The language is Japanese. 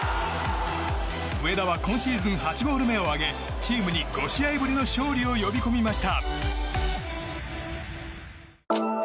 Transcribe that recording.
上田は今シーズン８ゴール目を挙げチームに５試合ぶりの勝利を呼び込みました。